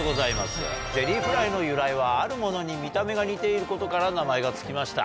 ゼリーフライの由来はあるものに見た目が似ていることから名前が付きました